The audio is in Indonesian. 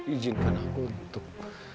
ijinkan aku untuk